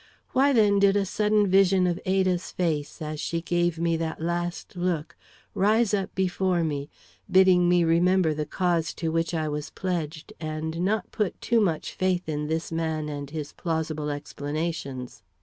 Why then did a sudden vision of Ada's face, as she gave me that last look, rise up before me, bidding me remember the cause to which I was pledged, and not put too much faith in this man and his plausible explanations.